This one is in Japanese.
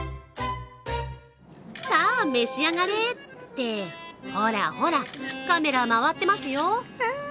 さぁ、召し上がれってほらほらカメラ回ってますよ。